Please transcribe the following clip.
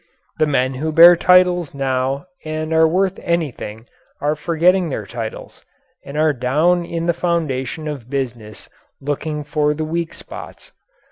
The men who bear titles now and are worth anything are forgetting their titles and are down in the foundation of business looking for the weak spots.